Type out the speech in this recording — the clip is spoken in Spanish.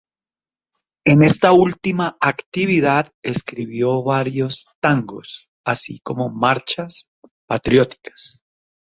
En esta última actividad escribió varios tangos así como marchas patrióticas.